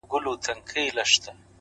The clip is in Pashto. ژوند مي د هوا په لاس کي وليدی _